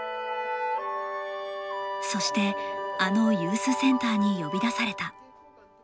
そして、あのユースセンターに呼び出された。